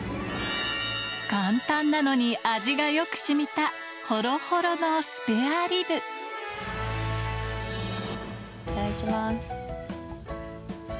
簡単なのに味がよく染みたホロホロのスペアリブいただきます。